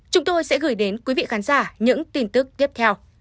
chúng tôi sẽ gửi đến quý vị khán giả những tin tức tiếp theo